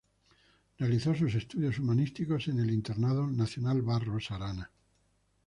Realizó sus estudios humanísticos en el Internado Nacional Barros Arana.